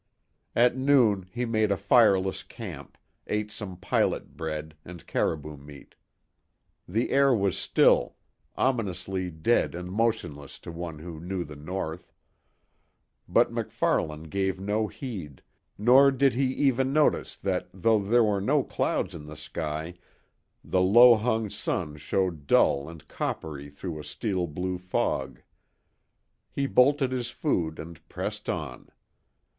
At noon he made a fireless camp, ate some pilot bread, and caribou meat. The air was still ominously dead and motionless to one who knew the North. But MacFarlane gave no heed, nor did he even notice that though there were no clouds in the sky, the low hung sun showed dull and coppery through a steel blue fog. He bolted his food and pressed on.